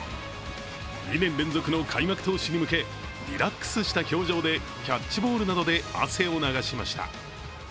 ２年連続の開幕投手に向けリラックスした表情でキャッチボールなどで汗を流しました。